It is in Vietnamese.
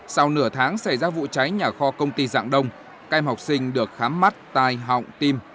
sau nửa tháng xảy ra vụ cháy nhà kho công ty dạng đông các em học sinh được khám mắt tai họng tim